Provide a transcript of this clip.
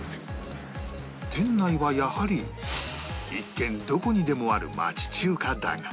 店内はやはり一見どこにでもある町中華だが